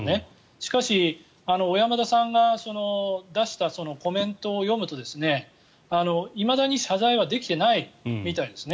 しかし、小山田さんが出したコメントを読むといまだに謝罪はできてないみたいですね。